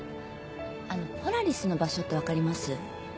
あのポラリスの場所ってわかります？